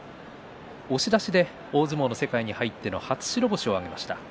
押し出しで大相撲の世界に入っての初白星を挙げました。